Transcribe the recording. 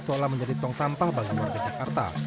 seolah menjadi tong sampah bagi warga jakarta